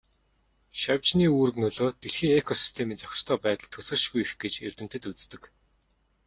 Шавжны үүрэг нөлөө дэлхийн экосистемийн зохистой байдалд төсөөлшгүй их гэж эрдэмтэд үздэг.